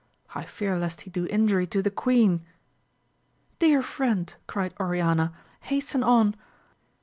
I fear lest he do injury to the queen. Dear friend, cried Oriana, hasten on !